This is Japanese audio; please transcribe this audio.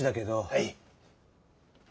はい。